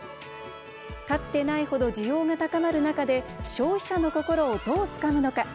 かつてない程、需要が高まる中で消費者の心を、どうつかむのか。